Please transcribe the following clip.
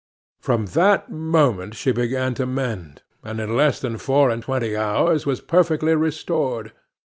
From that moment she began to mend, and, in less than four and twenty hours was perfectly restored.